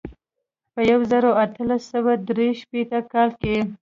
په یو زر او اتلس سوه درې شپېته کال کې.